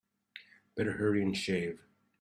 Better hurry and shave.